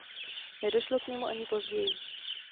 Nedošlo k němu ani později.